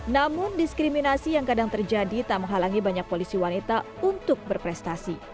namun diskriminasi yang kadang terjadi tak menghalangi banyak polisi wanita untuk berprestasi